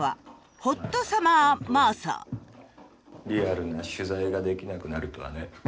リアルな取材ができなくなるとはね。